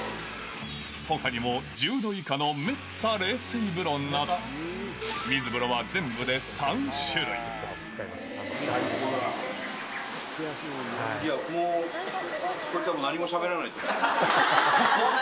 ほかにも１０度以下のメッツァ冷水風呂など、水風呂は全部で３種最高だな。